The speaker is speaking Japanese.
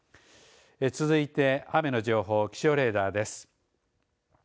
続いて雨の情報気象レーダーです。